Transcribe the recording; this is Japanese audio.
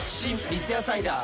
三ツ矢サイダー』